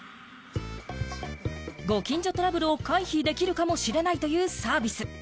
ご近所トラブルを回避できるかもしれないというサービス。